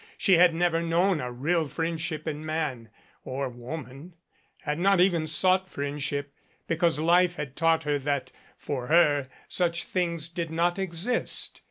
She had never known a 92 THE FUGITIVE real friendship in man or woman had not even sought friendship, because life had taught her that, for her, such things did not exist.